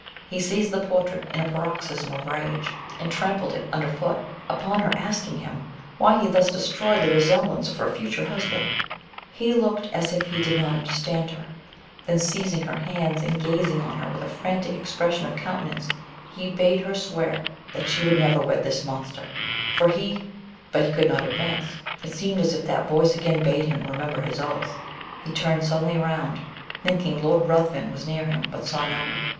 He seized the portrait in a paroxysm of rage, and trampled it under foot. Upon her asking him why he thus destroyed the resemblance of her future husband, he looked as if he did not understand her then seizing her hands, and gazing on her with a frantic expression of countenance, he bade her swear that she would never wed this monster, for he But he could not advance it seemed as if that voice again bade him remember his oath he turned suddenly round, thinking Lord Ruthven was near him but saw no one.